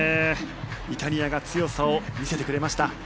イタリアが強さを見せてくれました。